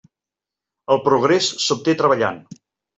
El progrés s'obté treballant.